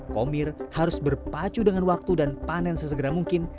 komir harus berpacu dengan waktu dan panen sesegera mungkin